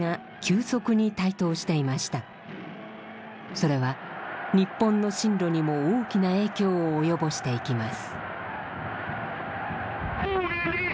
それは日本の針路にも大きな影響を及ぼしていきます。